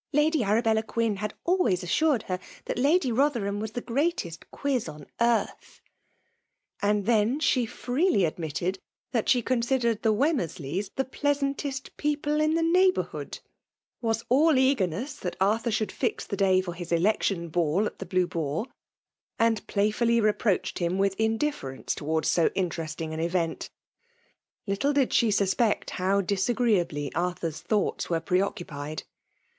I^dy Arabdla Quin had always assured her that Lady Bothetfaam was Ae greatest quiz on earth." And then she fiedy. admitted, that she oonsideied the Wer mersleys the pleasantest people in Ae neigh bourhood;— ^was all eagemesa that AriJor should fix the day for his Election Ball, at the Blue Boar; and playfully reproached him with indifference towards so interestiBg an event Jittle did she suspect how disagreeably Ar thur's thoughts were pre occupied.